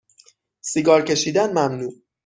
سیگار کشیدن ممنوع